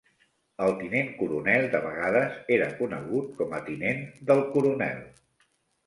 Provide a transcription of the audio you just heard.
El tinent coronel de vegades era conegut com a tinent del coronel.